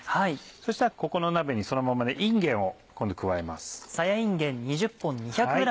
そしたらここの鍋にそのままいんげんを加えます。